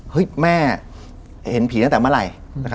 แม่เห็นผีตั้งแต่เมื่อไหร่